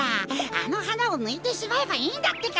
あのはなをぬいてしまえばいいんだってか。